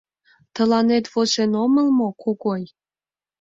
— Тыланет возен омыл мо, Когой?